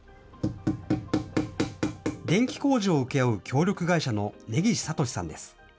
電気工事を請け負う協力会社の根岸悟志さんです。